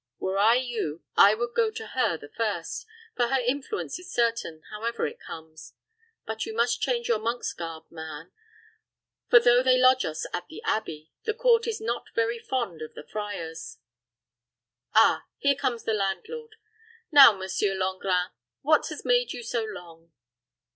Were I you, I would go to her the first; for her influence is certain, however it comes. But you must change your monk's garb, man; for, though they lodge at the abbey, the court is not very fond of the friars. Ah, here comes our landlord. Now, Monsieur Langrin, what has made you so long?"